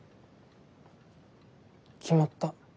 決まった。